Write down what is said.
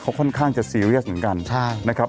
เขาค่อนข้างจะซีเรียสเหมือนกันนะครับ